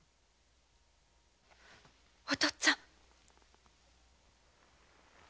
お父っつぁん！